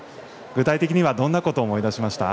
具体的にはどんなことを思い出しました？